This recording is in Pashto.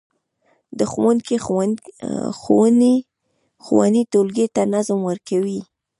د ښوونکي ښوونې ټولګي ته نظم ورکوي.